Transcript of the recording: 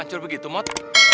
ancur begitu mat